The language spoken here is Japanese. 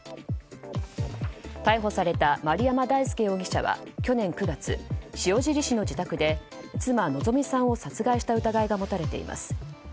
逮捕された丸山大輔容疑者は去年９月塩尻市の自宅で妻・希美さんを殺害した疑いが持たれています。